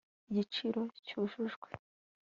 igiciro cyujujwe